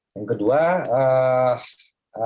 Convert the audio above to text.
yang kedua ee